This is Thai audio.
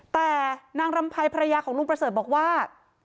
แต่นางรำภัยภรรยาของลุงประเสริฐบอกว่า